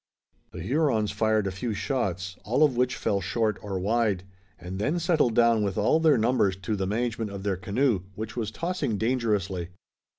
The Hurons fired a few shots, all of which fell short or wide, and then settled down with all their numbers to the management of their canoe, which was tossing dangerously.